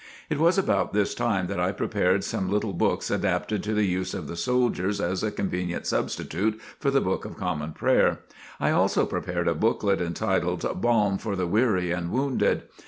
It was about this time that I prepared some little books adapted to the use of the soldiers as a convenient substitute for the Book of Common Prayer. I also prepared a booklet, entitled, "Balm for the Weary and Wounded."